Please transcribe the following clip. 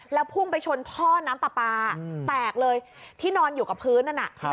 แล้วพุ่งไปชนท่อน้ำปลาปลาแตกเลยที่นอนอยู่กับพื้นนั่นน่ะ